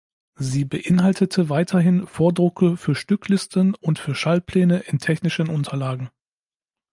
Sie beinhaltete weiterhin Vordrucke für Stücklisten und für Schaltpläne in technischen Unterlagen.